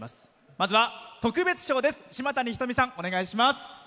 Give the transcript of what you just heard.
まずは、特別賞です。